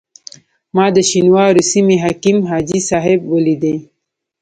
ما د شینوارو سیمې حکیم حاجي صاحب ولیدی.